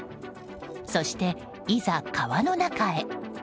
そして、いざ川の中へ。